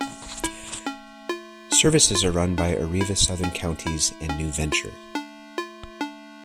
Services are run by Arriva Southern Counties and Nu-Venture.